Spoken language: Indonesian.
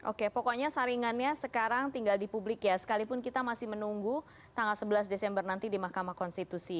oke pokoknya saringannya sekarang tinggal di publik ya sekalipun kita masih menunggu tanggal sebelas desember nanti di mahkamah konstitusi